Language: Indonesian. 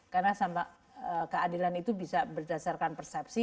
karena keadilan itu bisa berdasarkan persepsi